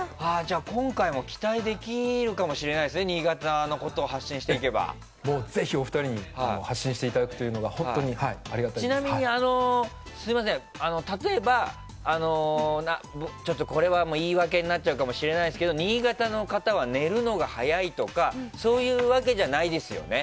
今回も期待できるかもしれないですね新潟のことを発信していただければぜひお二人に発信していただくということがちなみに例えばこれは言い訳になっちゃうかもしれないですけど新潟の方は寝るのが早いとかそういうわけじゃないですよね。